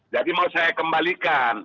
jadi mau saya kembalikan